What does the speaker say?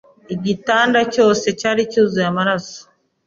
igitanda cyose cyari cyuzuye amaraso